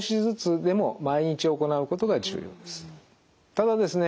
ただですね